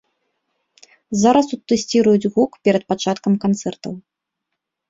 Зараз тут тэсціруюць гук перад пачаткам канцэртаў.